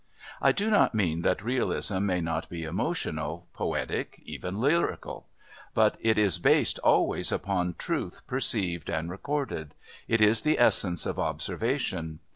I do not mean that Realism may not be emotional, poetic, even lyrical, but it is based always upon truth perceived and recorded it is the essence of observation.